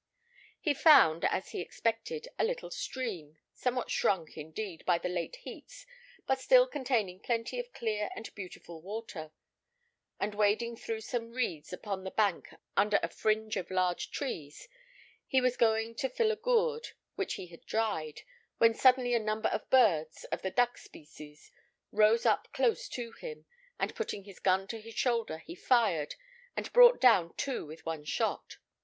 He found, as he expected, a little stream, somewhat shrunk, indeed, by the late heats, but still containing plenty of clear and beautiful water; and wading through some reeds upon the bank under a fringe of large trees, he was going to fill a gourd which he had dried, when suddenly a number of birds, of the duck species, rose up close to him, and putting his gun to his shoulder, he fired, and brought down two with one shot.